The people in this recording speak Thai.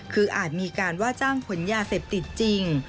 คืออาจมีการว่าจ้างขนยาเสพติดจริง